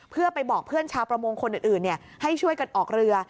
เพื่อไปบอกเพื่อนชาวประมงคนอื่นให้ช่วยกันออกเรือ